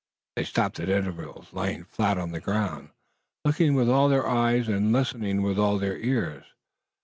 They stopped at intervals, lying flat upon the ground, looking with all their eyes and listening with all their ears.